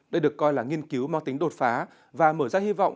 đây được coi là nghiên cứu mang tính đột phá và mở ra hy vọng